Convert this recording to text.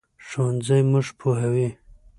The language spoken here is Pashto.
ښوونځی موږ پوهوي